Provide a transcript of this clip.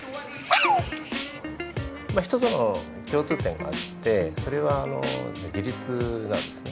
まあ一つの共通点があってそれはあの自律なんですね。